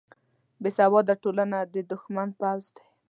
بیسواده ټولنه د دښمن پوځ دی